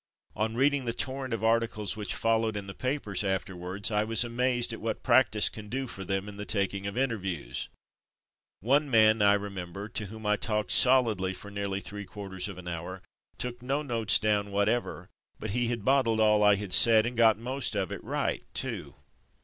On reading the torrent of articles which followed in the papers after wards, I was amazed at what practice can do for them, in the taking of interviews. One Liberty Loan 301 man, I remember, to whom I talked solidly for nearly three quarters of an hour, took no notes down whatever, but he had bot tled all I had said, and got most of it right too.